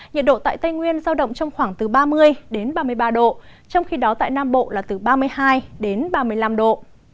nhiệt độ tại tây nguyên giao động trong khoảng từ ba mươi đến ba mươi ba độ trong khi đó tại nam bộ là từ ba mươi hai ba mươi năm độ